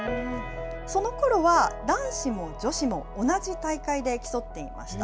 そのころは男子も女子も同じ大会で競っていました。